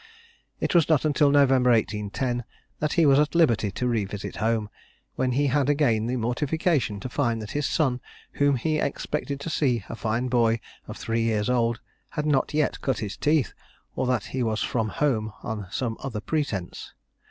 It was not until November 1810 that he was at liberty to revisit home, when he had again the mortification to find that his son, whom he expected to see a fine boy of three years old, had not yet cut his teeth, or that he was from home on some other pretence.